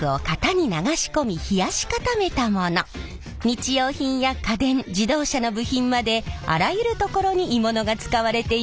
日用品や家電自動車の部品まであらゆるところに鋳物が使われています。